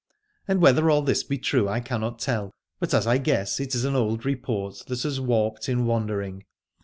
And whether all this be true I cannot tell, but as I guess it is an old report that has warped in wandering.